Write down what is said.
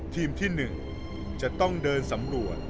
ทีมที่๑จะต้องเดินสำรวจ